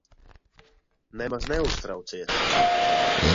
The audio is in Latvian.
Nemaz neuztraucies.